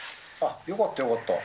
よかった、よかった。